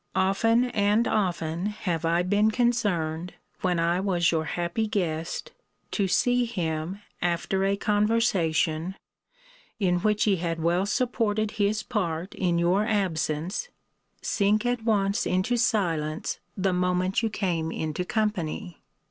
Often and often have I been concerned, when I was your happy guest, to see him, after a conversation, in which he had well supported his part in your absence, sink at once into silence the moment you came into company.